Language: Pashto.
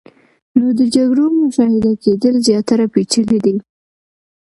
نو د جګړو مشاهده کېدل زیاتره پیچلې دي.